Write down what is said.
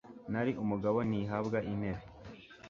Nari umugabo nti habwa intebe